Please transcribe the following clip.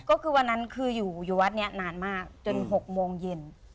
ก็คือวันนั้นคืออยู่วัดนี้นานมากจน๖โมงเย็น